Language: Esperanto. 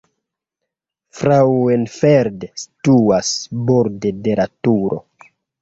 Frauenfeld situas borde de la Turo.